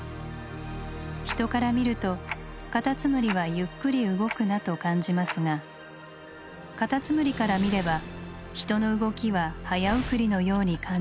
ヒトから見ると「カタツムリはゆっくり動くな」と感じますがカタツムリから見ればヒトの動きは早送りのように感じるでしょう。